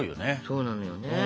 そうなのよね。